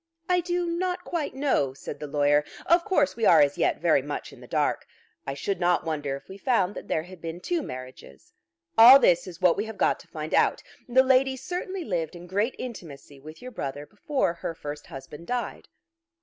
"I do not quite know," said the lawyer. "Of course we are as yet very much in the dark. I should not wonder if we found that there had been two marriages. All this is what we have got to find out. The lady certainly lived in great intimacy with your brother before her first husband died."